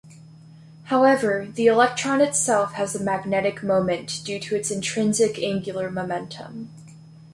However, the electron itself has a magnetic moment due to its intrinsic angular momentum.